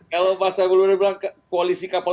kalau mas efon huda bilang koalisi kapal